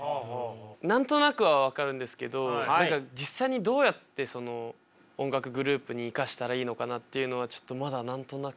何となくは分かるんですけど実際にどうやってその音楽グループに生かしたらいいのかなっていうのはちょっとまだ何となく。